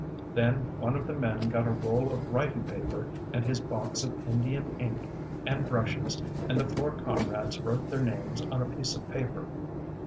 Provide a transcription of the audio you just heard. ŌĆØ Then one of the men got a roll of writing paper and his box of Indian ink and brushes, and the four comrades wrote their names on a piece of paper.